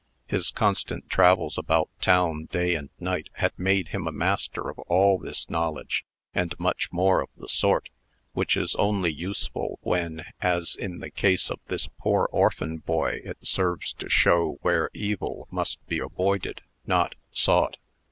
His constant travels about town, day and night, had made him a master of all this knowledge, and much more of the sort, which is only useful when, as in the case of this poor orphan boy, it serves to show where evil must be avoided, not sought.